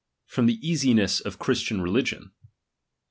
From the easiness of Christian religion.